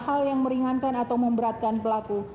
hal yang meringankan atau memberatkan pelaku